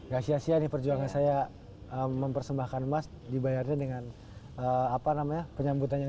ya siaset perjuangan saya mempersembahkan emas dibayarnya dengan apa namanya penyambutan yang